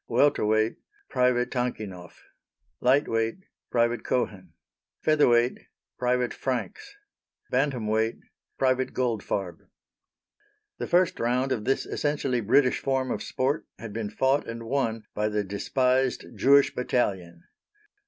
Welter weight Private Tankinoff. Light weight Private Cohen. Feather weight Private Franks. Bantam weight Private Goldfarb. The first round of this essentially British form of sport had been fought and won by the despised Jewish Battalion!